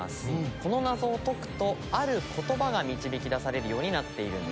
この謎を解くとある言葉が導き出されるようになっているんです。